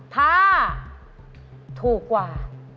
ถ้าถูกกว่า